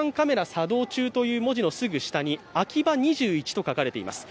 作動中という文字のすぐ下に「アキバ２１」と書かれています。